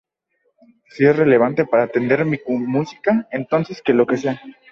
Si es relevante para entender mi música, entonces que lo sea.